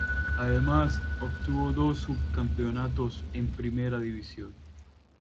Además obtuvo dos subcampeonatos en Primera División.